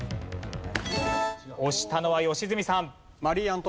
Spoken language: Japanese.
押したのは良純さん。